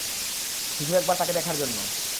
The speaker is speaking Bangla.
শুধু একবার তাকে দেখার জন্য।